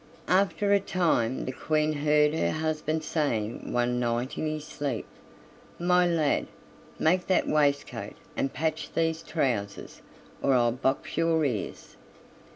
After a time the Queen heard her husband saying one night in his sleep: "My lad, make that waistcoat and patch these trousers, or I'll box your ears."